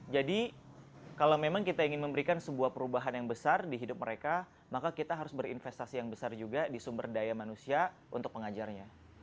jadi kalau memang kita ingin memberikan sebuah perubahan yang besar di hidup mereka maka kita harus berinvestasi yang besar juga di sumber daya manusia untuk pengajarnya